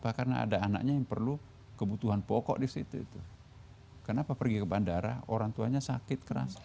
kenapa karena ada anaknya yang perlu kebutuhan pokok di situ kenapa pergi ke bandara orang tuanya sakit keras